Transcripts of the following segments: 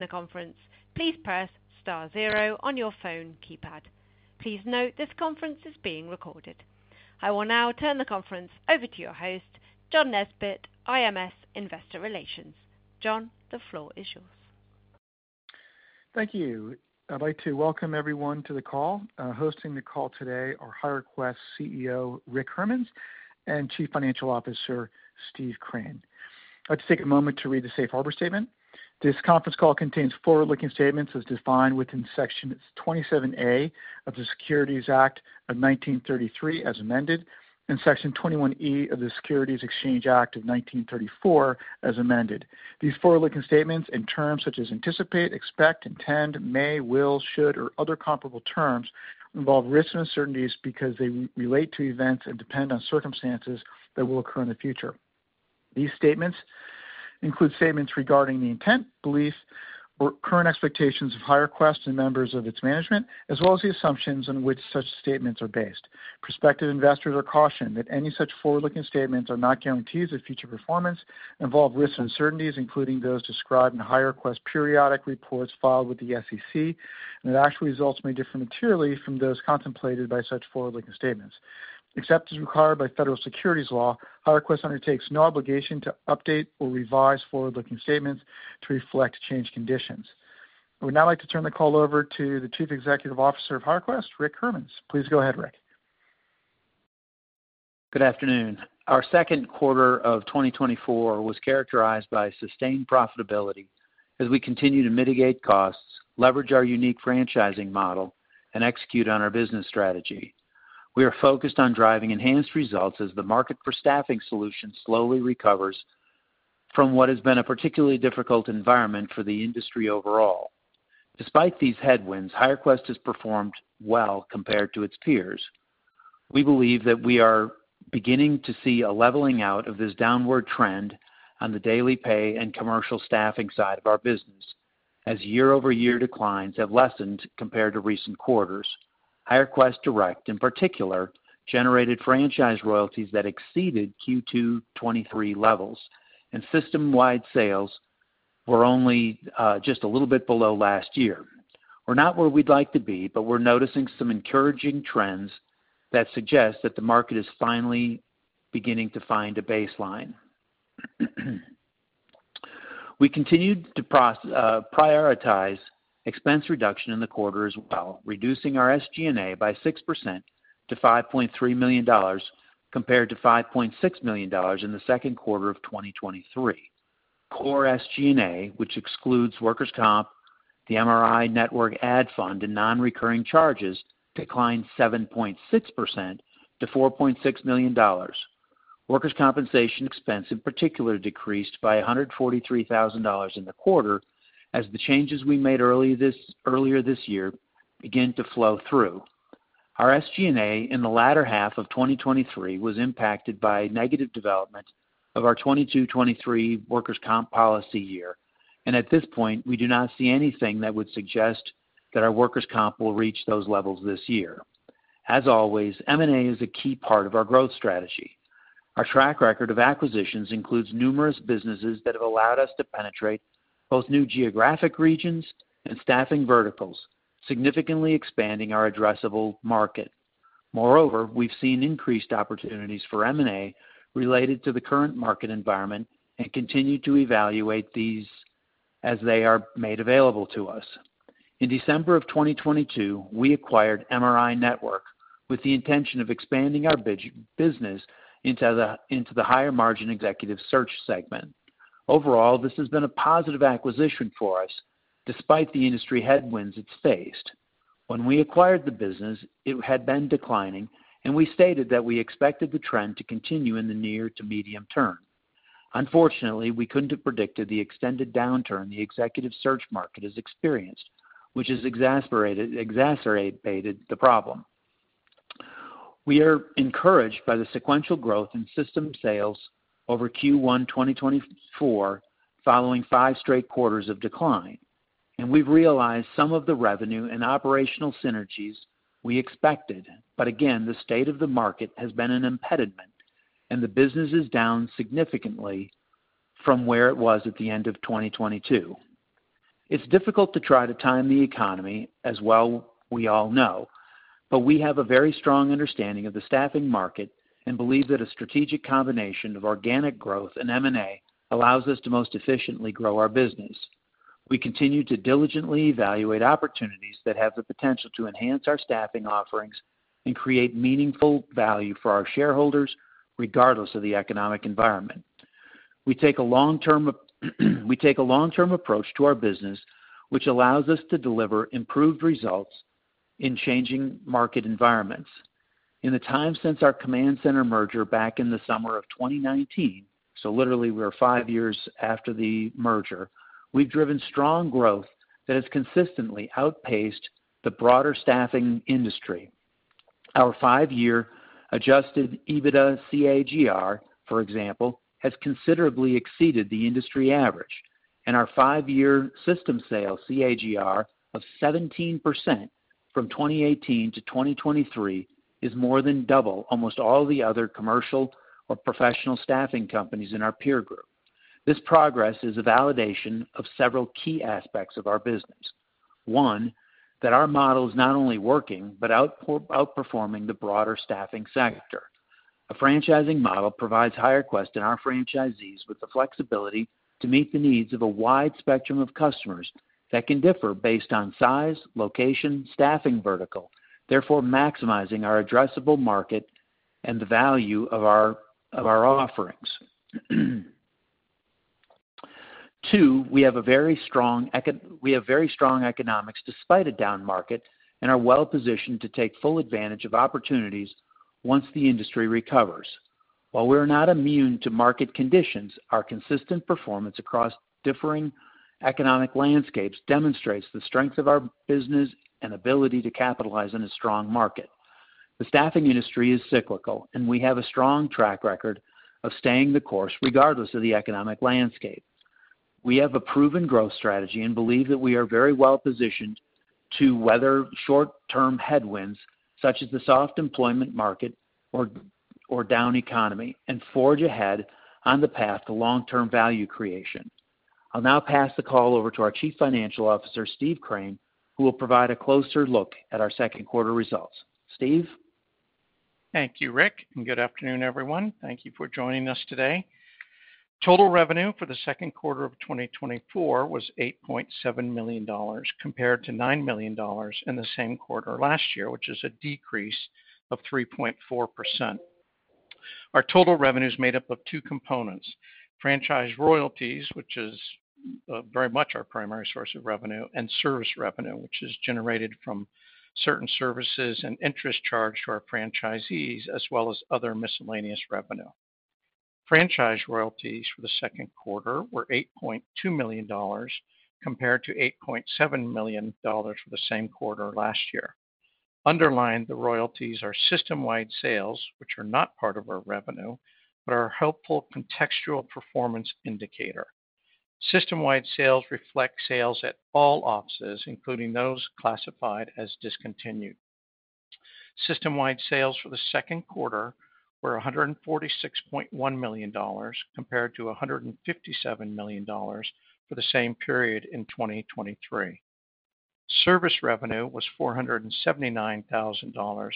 The conference, please press star zero on your phone keypad. Please note, this conference is being recorded. I will now turn the conference over to your host, John Nesbett, IMS Investor Relations. John, the floor is yours. Thank you. I'd like to welcome everyone to the call. Hosting the call today are HireQuest CEO, Rick Hermanns, and Chief Financial Officer, Steve Crane. I'd like to take a moment to read the safe harbor statement. This conference call contains forward-looking statements as defined within Section 27A of the Securities Act of 1933, as amended, and Section 21E of the Securities Exchange Act of 1934, as amended. These forward-looking statements in terms such as anticipate, expect, intend, may, will, should, or other comparable terms, involve risks and uncertainties because they relate to events and depend on circumstances that will occur in the future. These statements include statements regarding the intent, belief, or current expectations of HireQuest and members of its management, as well as the assumptions on which such statements are based. Prospective investors are cautioned that any such forward-looking statements are not guarantees of future performance, involve risks and uncertainties, including those described in HireQuest's periodic reports filed with the SEC, and that actual results may differ materially from those contemplated by such forward-looking statements. Except as required by federal securities law, HireQuest undertakes no obligation to update or revise forward-looking statements to reflect changed conditions. I would now like to turn the call over to the Chief Executive Officer of HireQuest, Rick Hermanns. Please go ahead, Rick. Good afternoon. Our second quarter of 2024 was characterized by sustained profitability as we continue to mitigate costs, leverage our unique franchising model, and execute on our business strategy. We are focused on driving enhanced results as the market for staffing solutions slowly recovers from what has been a particularly difficult environment for the industry overall. Despite these headwinds, HireQuest has performed well compared to its peers. We believe that we are beginning to see a leveling out of this downward trend on the daily pay and commercial staffing side of our business, as year-over-year declines have lessened compared to recent quarters. HireQuest Direct, in particular, generated franchise royalties that exceeded Q2 2023 levels, and system-wide sales were only, just a little bit below last year. We're not where we'd like to be, but we're noticing some encouraging trends that suggest that the market is finally beginning to find a baseline. We continued to prioritize expense reduction in the quarter as well, reducing our SG&A by 6% to $5.3 million, compared to $5.6 million in the second quarter of 2023. Core SG&A, which excludes workers' comp, the MRINetwork ad fund, and non-recurring charges, declined 7.6% to $4.6 million. Workers' compensation expense, in particular, decreased by $143,000 in the quarter as the changes we made earlier this year began to flow through. Our SG&A in the latter half of 2023 was impacted by negative development of our 2022, 2023 workers' comp policy year, and at this point, we do not see anything that would suggest that our workers' comp will reach those levels this year. As always, M&A is a key part of our growth strategy. Our track record of acquisitions includes numerous businesses that have allowed us to penetrate both new geographic regions and staffing verticals, significantly expanding our addressable market. Moreover, we've seen increased opportunities for M&A related to the current market environment and continue to evaluate these as they are made available to us. In December of 2022, we acquired MRINetwork with the intention of expanding our bridge business into the higher margin executive search segment. Overall, this has been a positive acquisition for us, despite the industry headwinds it's faced. When we acquired the business, it had been declining, and we stated that we expected the trend to continue in the near to medium term. Unfortunately, we couldn't have predicted the extended downturn the executive search market has experienced, which has exacerbated the problem. We are encouraged by the sequential growth in system sales over Q1 2024, following five straight quarters of decline, and we've realized some of the revenue and operational synergies we expected. But again, the state of the market has been an impediment, and the business is down significantly from where it was at the end of 2022. It's difficult to try to time the economy as well, we all know, but we have a very strong understanding of the staffing market and believe that a strategic combination of organic growth and M&A allows us to most efficiently grow our business. We continue to diligently evaluate opportunities that have the potential to enhance our staffing offerings and create meaningful value for our shareholders, regardless of the economic environment. We take a long-term, we take a long-term approach to our business, which allows us to deliver improved results in changing market environments. In the time since our Command Center merger back in the summer of 2019, so literally we are five years after the merger, we've driven strong growth that has consistently outpaced the broader staffing industry. Our five-year adjusted EBITDA CAGR, for example, has considerably exceeded the industry average, and our five-year system sales CAGR of 17% from 2018 to 2023 is more than double almost all the other commercial or professional staffing companies in our peer group. This progress is a validation of several key aspects of our business. One, that our model is not only working but outperforming the broader staffing sector. A franchising model provides HireQuest and our franchisees with the flexibility to meet the needs of a wide spectrum of customers that can differ based on size, location, staffing, vertical, therefore maximizing our addressable market and the value of our offerings. Two, we have very strong economics despite a down market, and are well positioned to take full advantage of opportunities once the industry recovers. While we are not immune to market conditions, our consistent performance across differing economic landscapes demonstrates the strength of our business and ability to capitalize on a strong market. The staffing industry is cyclical, and we have a strong track record of staying the course regardless of the economic landscape. We have a proven growth strategy and believe that we are very well positioned to weather short-term headwinds, such as the soft employment market or down economy, and forge ahead on the path to long-term value creation. I'll now pass the call over to our Chief Financial Officer, Steve Crane, who will provide a closer look at our second quarter results. Steve? Thank you, Rick, and good afternoon, everyone. Thank you for joining us today. Total revenue for the second quarter of 2024 was $8.7 million, compared to $9 million in the same quarter last year, which is a decrease of 3.4%. Our total revenue is made up of two components: franchise royalties, which is very much our primary source of revenue, and service revenue, which is generated from certain services and interest charged to our franchisees, as well as other miscellaneous revenue. Franchise royalties for the second quarter were $8.2 million, compared to $8.7 million for the same quarter last year. Underlying the royalties are system-wide sales, which are not part of our revenue, but are a helpful contextual performance indicator. System-wide sales reflect sales at all offices, including those classified as discontinued. System-wide sales for the second quarter were $146.1 million, compared to $157 million for the same period in 2023. Service revenue was $479,000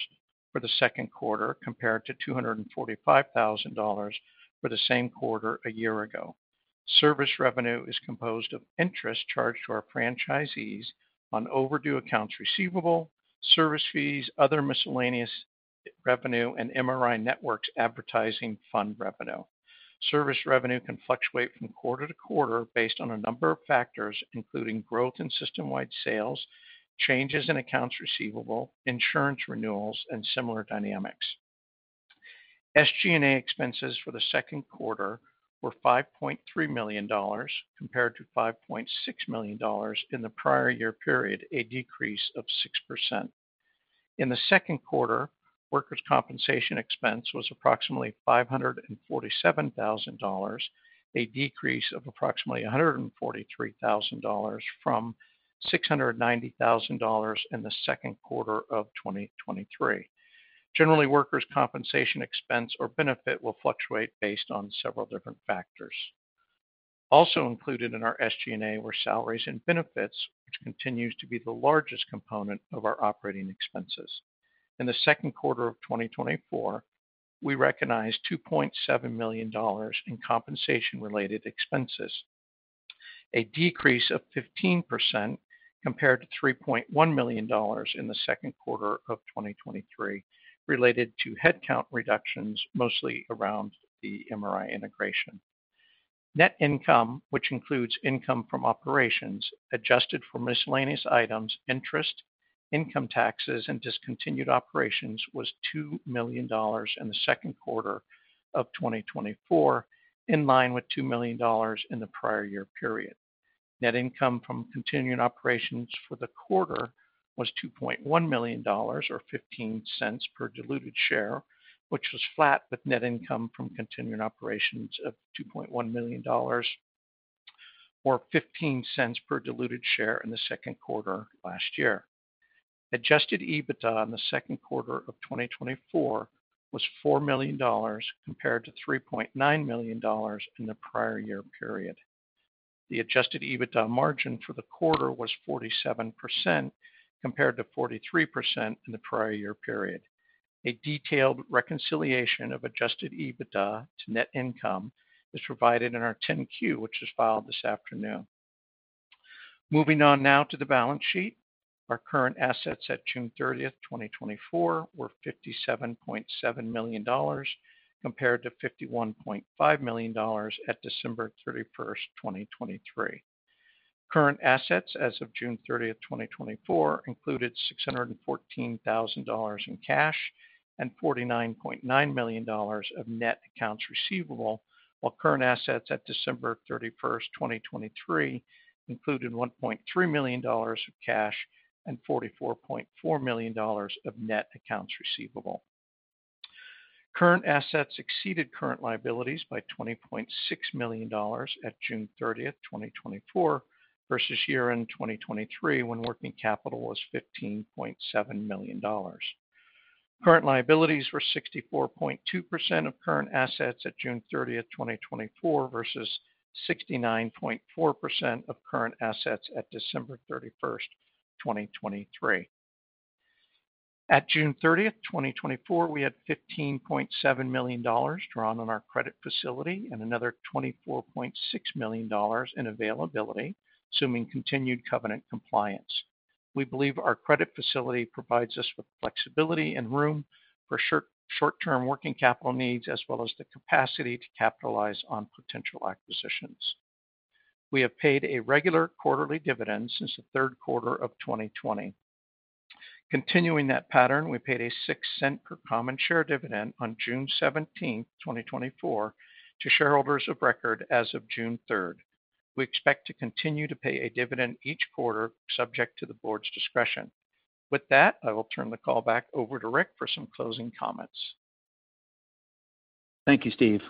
for the second quarter, compared to $245,000 for the same quarter a year ago. Service revenue is composed of interest charged to our franchisees on overdue accounts receivable, service fees, other miscellaneous revenue, and MRINetwork's advertising fund revenue. Service revenue can fluctuate from quarter to quarter based on a number of factors, including growth in system-wide sales, changes in accounts receivable, insurance renewals, and similar dynamics. SG&A expenses for the second quarter were $5.3 million, compared to $5.6 million in the prior year period, a decrease of 6%. In the second quarter, workers' compensation expense was approximately $547,000, a decrease of approximately $143,000 from $690,000 in the second quarter of 2023. Generally, workers' compensation expense or benefit will fluctuate based on several different factors. Also included in our SG&A were salaries and benefits, which continues to be the largest component of our operating expenses. In the second quarter of 2024, we recognized $2.7 million in compensation-related expenses, a decrease of 15% compared to $3.1 million in the second quarter of 2023, related to headcount reductions, mostly around the MRI integration. Net income, which includes income from operations, adjusted for miscellaneous items, interest, income taxes, and discontinued operations, was $2 million in the second quarter of 2024, in line with $2 million in the prior year period. Net income from continuing operations for the quarter was $2.1 million, or $0.15 per diluted share, which was flat, with net income from continuing operations of $2.1 million or $0.15 per diluted share in the second quarter last year. Adjusted EBITDA in the second quarter of 2024 was $4 million, compared to $3.9 million in the prior year period. The adjusted EBITDA margin for the quarter was 47%, compared to 43% in the prior year period. A detailed reconciliation of adjusted EBITDA to net income is provided in our 10-Q, which was filed this afternoon. Moving on now to the balance sheet. Our current assets at June 30th, 2024, were $57.7 million, compared to $51.5 million at December 31st, 2023. Current assets as of June 30th, 2024, included $614,000 in cash and $49.9 million of net accounts receivable, while current assets at December 31st, 2023, included $1.3 million of cash and $44.4 million of net accounts receivable. Current assets exceeded current liabilities by $20.6 million at June 30th, 2024, versus year-end 2023, when working capital was $15.7 million. Current liabilities were 64.2% of current assets at June 30th, 2024, versus 69.4% of current assets at December 31st, 2023. At June 30th, 2024, we had $15.7 million drawn on our credit facility and another $24.6 million in availability, assuming continued covenant compliance. We believe our credit facility provides us with flexibility and room for short-term working capital needs, as well as the capacity to capitalize on potential acquisitions. We have paid a regular quarterly dividend since the third quarter of 2020. Continuing that pattern, we paid a $0.06 per common share dividend on June 17th, 2024, to shareholders of record as of June 3rd. We expect to continue to pay a dividend each quarter, subject to the board's discretion. With that, I will turn the call back over to Rick for some closing comments. Thank you, Steve.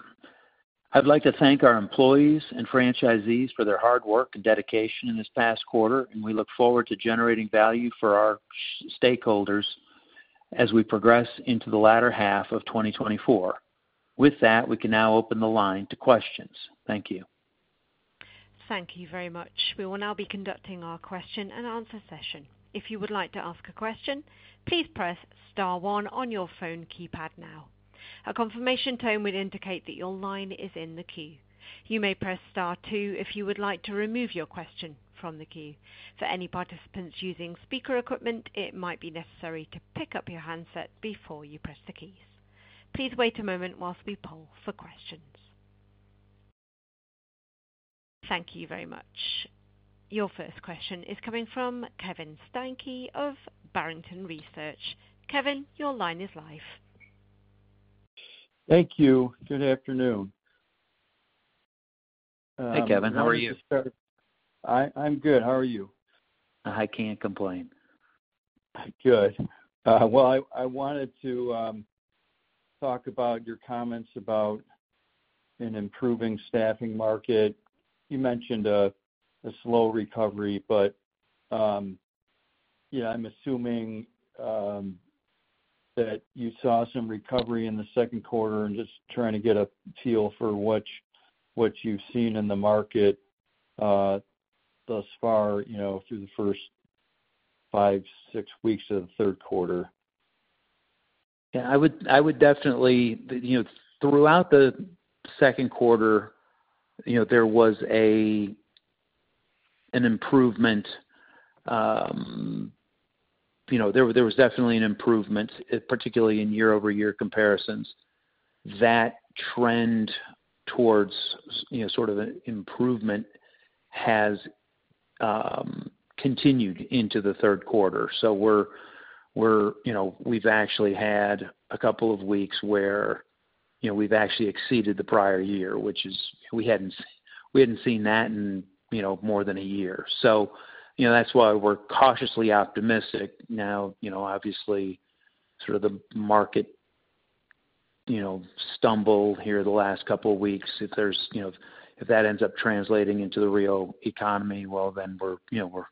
I'd like to thank our employees and franchisees for their hard work and dedication in this past quarter, and we look forward to generating value for our stakeholders as we progress into the latter half of 2024. With that, we can now open the line to questions. Thank you. Thank you very much. We will now be conducting our question and answer session. If you would like to ask a question, please press star one on your phone keypad now. A confirmation tone will indicate that your line is in the queue. You may press star two if you would like to remove your question from the queue. For any participants using speaker equipment, it might be necessary to pick up your handset before you press the keys. Please wait a moment while we poll for questions. Thank you very much. Your first question is coming from Kevin Steinke of Barrington Research. Kevin, your line is live. Thank you. Good afternoon. Hey, Kevin. How are you? I'm good. How are you? I can't complain. Good. Well, I wanted to talk about your comments about an improving staffing market. You mentioned a slow recovery, but yeah, I'm assuming that you saw some recovery in the second quarter and just trying to get a feel for what you've seen in the market thus far, you know, through the first five, six weeks of the third quarter. Yeah, I would, I would definitely. You know, throughout the second quarter, you know, there was an improvement. You know, there was definitely an improvement, particularly in year-over-year comparisons. That trend towards, you know, sort of an improvement has continued into the third quarter. So we're, you know, we've actually had a couple of weeks where, you know, we've actually exceeded the prior year, which is we hadn't seen that in, you know, more than a year. So, you know, that's why we're cautiously optimistic now. You know, obviously, sort of the market, you know, stumbled here the last couple of weeks. If that ends up translating into the real economy, well, then we're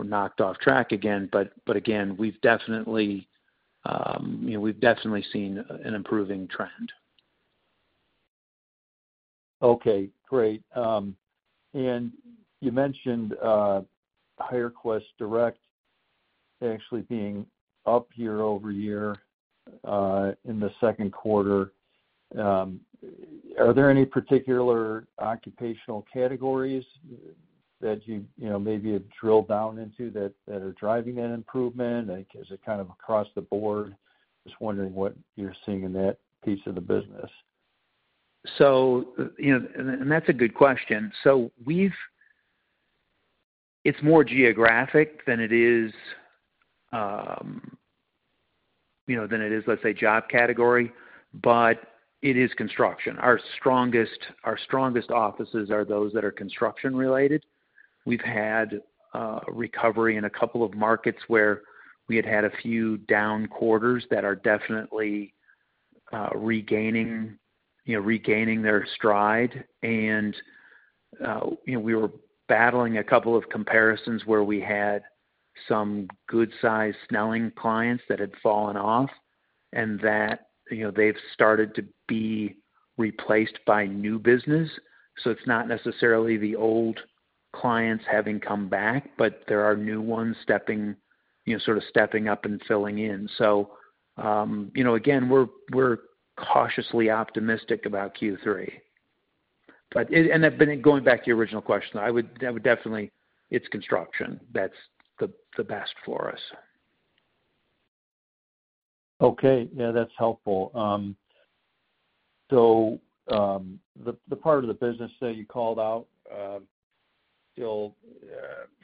knocked off track again. But again, we've definitely, you know, we've definitely seen an improving trend. Okay, great. And you mentioned HireQuest Direct actually being up year-over-year in the second quarter. Are there any particular occupational categories that you know, maybe have drilled down into that are driving that improvement? Like, is it kind of across the board? Just wondering what you're seeing in that piece of the business. So, you know, and that's a good question. So we've. It's more geographic than it is, you know, than it is, let's say, job category, but it is construction. Our strongest offices are those that are construction-related. We've had recovery in a couple of markets where we had had a few down quarters that are definitely regaining, you know, their stride. And, you know, we were battling a couple of comparisons where we had some good-sized Snelling clients that had fallen off, and that, you know, they've started to be replaced by new business. So it's not necessarily the old clients having come back, but there are new ones stepping, you know, sort of up and filling in. So, you know, again, we're cautiously optimistic about Q3. But it... and then, going back to your original question, I would definitely. It's construction that's the best for us. Okay. Yeah, that's helpful. So, the part of the business that you called out, still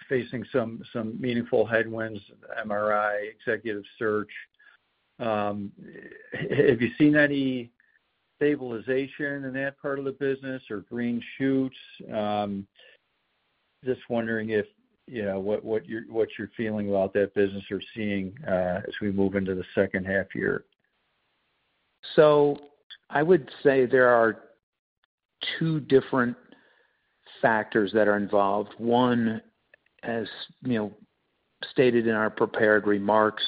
facing some meaningful headwinds, MRI, executive search. Have you seen any stabilization in that part of the business or green shoots? Just wondering if, you know, what you're feeling about that business you're seeing, as we move into the second half year? So I would say there are two different factors that are involved. One, as, you know, stated in our prepared remarks,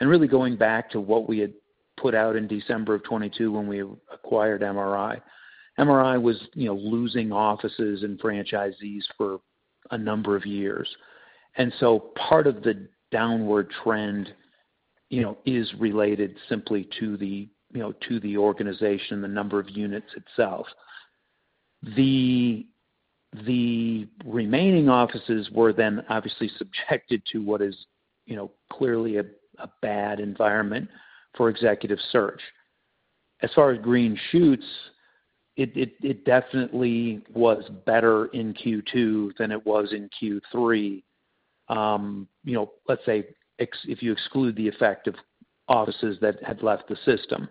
and really going back to what we had put out in December of 2022, when we acquired MRI. MRI was, you know, losing offices and franchisees for a number of years. And so part of the downward trend, you know, is related simply to the, you know, to the organization, the number of units itself. The, the remaining offices were then obviously subjected to what is, you know, clearly a, a bad environment for executive search. As far as green shoots, it, it, it definitely was better in Q2 than it was in Q3. You know, let's say, if you exclude the effect of offices that had left the system.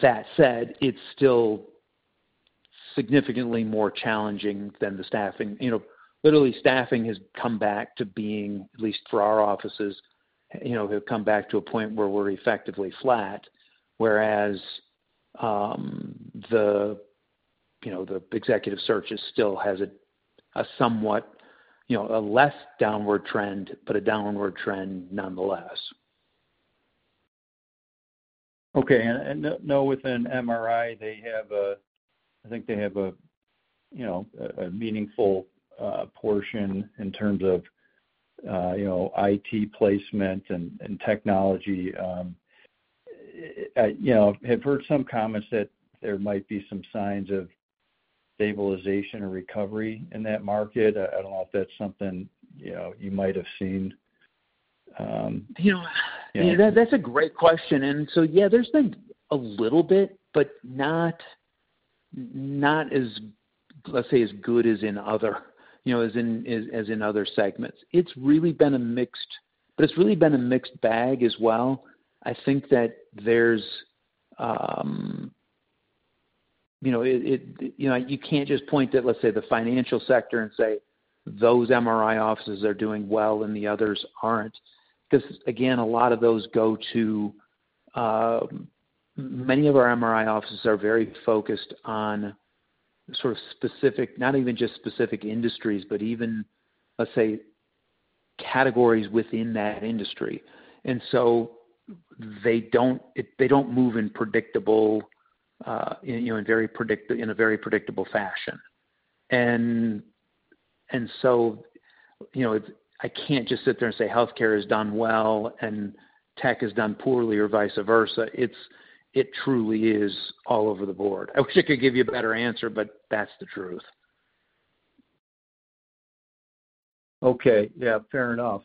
That said, it's still significantly more challenging than the staffing. You know, literally staffing has come back to being, at least for our offices, you know, have come back to a point where we're effectively flat. Whereas, you know, the executive search is still has a somewhat, you know, a less downward trend, but a downward trend nonetheless. Okay. And you know within MRI, they have a. I think they have a, you know, a meaningful portion in terms of, you know, IT placement and technology. You know, I've heard some comments that there might be some signs of stabilization or recovery in that market. I don't know if that's something, you know, you might have seen, you know? That's a great question, and so, yeah, there's been a little bit, but not, not as, let's say, as good as in other, you know, as in, as, as in other segments. It's really been a mixed bag as well. I think that there's, you know, it, you know, you can't just point to, let's say, the financial sector and say, "Those MRI offices are doing well, and the others aren't." Because, again, a lot of those go to, many of our MRI offices are very focused on sort of specific, not even just specific industries, but even, let's say, categories within that industry. And so they don't, it, they don't move in predictable, you know, in a very predictable fashion. So, you know, I can't just sit there and say, healthcare has done well and tech has done poorly, or vice versa. It truly is all over the board. I wish I could give you a better answer, but that's the truth. Okay. Yeah, fair enough.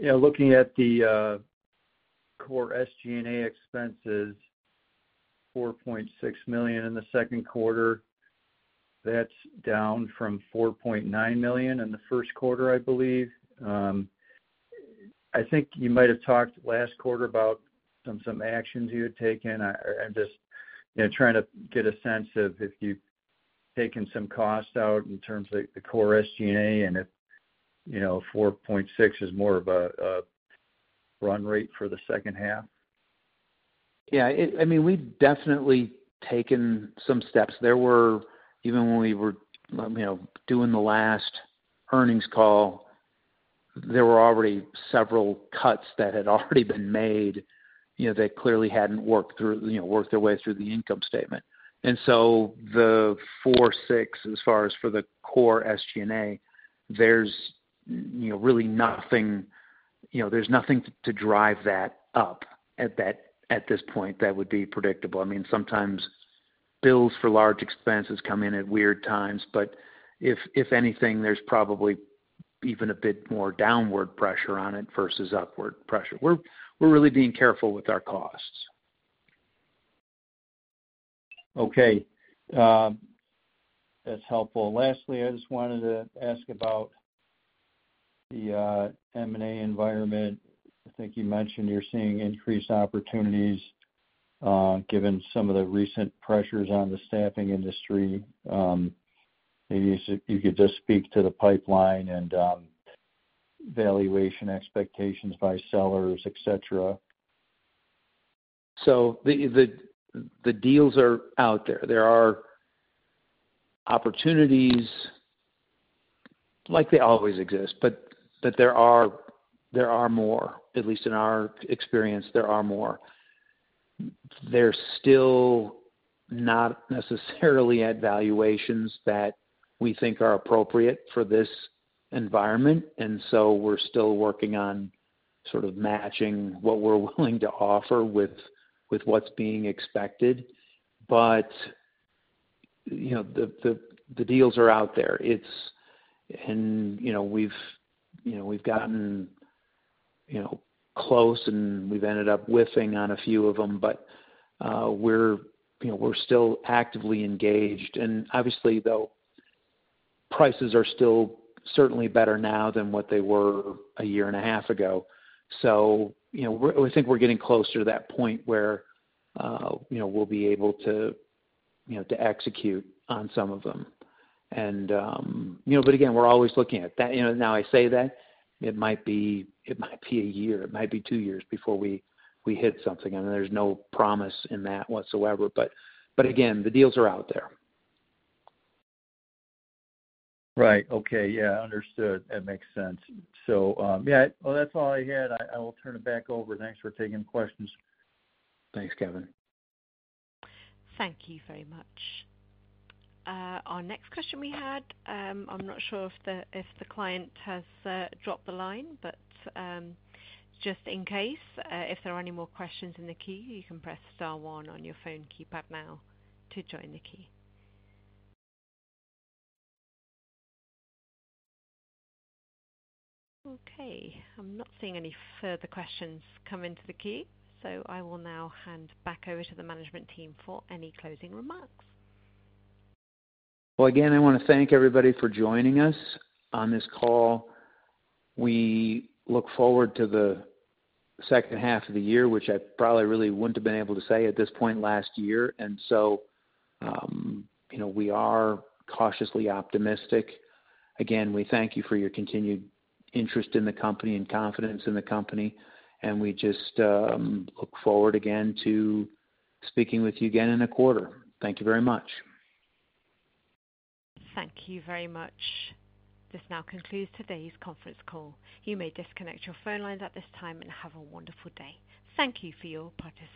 Yeah, looking at the core SG&A expenses, $4.6 million in the second quarter, that's down from $4.9 million in the first quarter, I believe. I think you might have talked last quarter about some actions you had taken. I'm just, you know, trying to get a sense of if you've taken some costs out in terms of the core SG&A, and if, you know, $4.6 million is more of a run rate for the second half. Yeah, I mean, we've definitely taken some steps. There were, even when we were, you know, doing the last earnings call, there were already several cuts that had already been made, you know, that clearly hadn't worked through, you know, worked their way through the income statement. And so the $4.6 million, as far as for the core SG&A, there's, you know, really nothing, you know, there's nothing to drive that up at that, at this point that would be predictable. I mean, sometimes bills for large expenses come in at weird times, but if, if anything, there's probably even a bit more downward pressure on it versus upward pressure. We're, we're really being careful with our costs. Okay. That's helpful. Lastly, I just wanted to ask about the M&A environment. I think you mentioned you're seeing increased opportunities, given some of the recent pressures on the staffing industry. Maybe if you could just speak to the pipeline and, valuation expectations by sellers, et cetera. So the deals are out there. There are opportunities like they always exist, but there are more, at least in our experience, there are more. They're still not necessarily at valuations that we think are appropriate for this environment, and so we're still working on sort of matching what we're willing to offer with what's being expected. But, you know, the deals are out there. And, you know, we've, you know, we've gotten, you know, close, and we've ended up whiffing on a few of them, but we're, you know, we're still actively engaged. And obviously, though, prices are still certainly better now than what they were a year and a half ago. So, you know, I think we're getting closer to that point where, you know, we'll be able to, you know, to execute on some of them. And, you know, but again, we're always looking at that. You know, now I say that, it might be, it might be a year, it might be two years before we hit something, and there's no promise in that whatsoever. But, again, the deals are out there. Right. Okay. Yeah, understood. That makes sense. So, yeah, well, that's all I had. I will turn it back over. Thanks for taking the questions. Thanks, Kevin. Thank you very much. Our next question we had, I'm not sure if the, if the client has dropped the line, but, just in case, if there are any more questions in the queue, you can press star one on your phone keypad now to join the queue. Okay, I'm not seeing any further questions come into the queue, so I will now hand back over to the management team for any closing remarks. Well, again, I want to thank everybody for joining us on this call. We look forward to the second half of the year, which I probably really wouldn't have been able to say at this point last year. And so, you know, we are cautiously optimistic. Again, we thank you for your continued interest in the company and confidence in the company, and we just look forward again to speaking with you again in a quarter. Thank you very much. Thank you very much. This now concludes today's conference call. You may disconnect your phone lines at this time and have a wonderful day. Thank you for your participation.